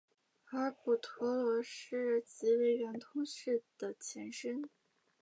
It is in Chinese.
而补陀罗寺即为圆通寺的前身。